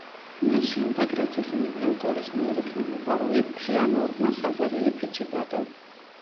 მას შემდეგ, რაც ისინი მელკორის მიერ იქნა მოპარული, ფეანორმა საზარელი ფიცი დადო.